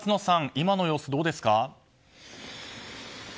今の様子どうですか。